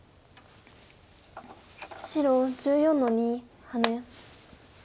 白１４の二ハネ。